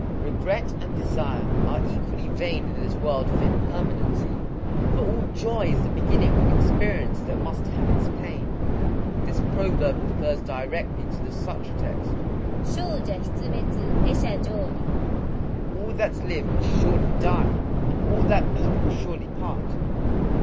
Regret and desire are equally vain in this world of impermanency; for all joy is the beginning of an experience that must have its pain. This proverb refers directly to the sutra text,—Shōja hitsumetsu é sha jori,—" All that live must surely die; and all that meet will surely part."